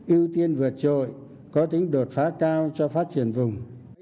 ưu tiên vượt trội có tính đột phá cao cho phát triển vùng